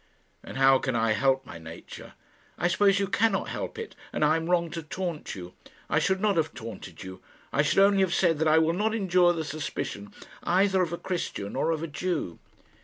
"And how can I help my nature?" "I suppose you cannot help it, and I am wrong to taunt you. I should not have taunted you. I should only have said that I will not endure the suspicion either of a Christian or of a Jew."